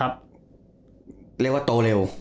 เรียกว่าโตเร็ว